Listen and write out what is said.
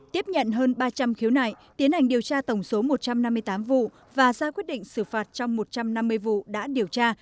tiếp nhận hơn ba trăm linh khiếu nại tiến hành điều tra tổng số một trăm năm mươi tám vụ và ra quyết định xử phạt trong một trăm năm mươi vụ đã điều tra